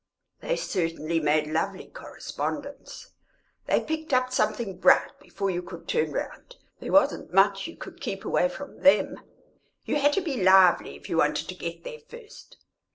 They certainly made lovely correspondents; they picked up something bright before you could turn round; there wasn't much you could keep away from them; you had to be lively if you wanted to get there first.